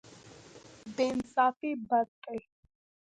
بې انصافي بد دی.